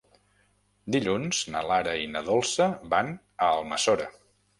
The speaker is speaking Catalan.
Dilluns na Lara i na Dolça van a Almassora.